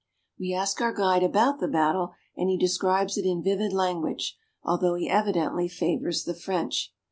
We ask our guide about the battle, and he describes it in vivid language, although he evidently favors the French.